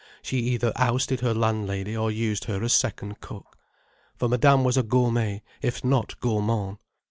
She either ousted her landlady, or used her as second cook. For Madame was a gourmet, if not gourmand.